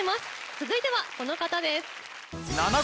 続いてはこの方です。